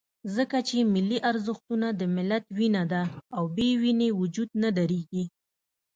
ځکه چې ملي ارزښتونه د ملت وینه ده، او بې وینې وجود نه درېږي.